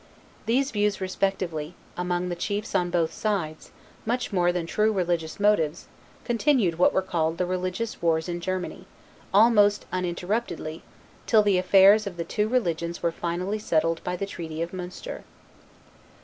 These views respectively, among the chiefs on both sides, much more than true religious motives, continued what were called the religious wars in Germany, almost uninterruptedly, till the affairs of the two religions were finally settled by the treaty of Munster.